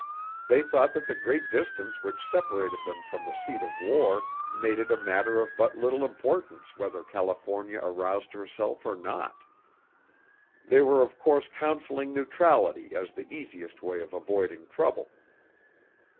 They thought that the great distance which separated them from the seat of war made it a matter of but little importance whether California aroused herself or not. They were of course counseling neutrality as the easiest way of avoiding trouble.